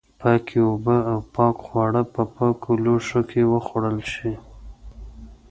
پاکې اوبه او پاک خواړه په پاکو لوښو کې وخوړل شي.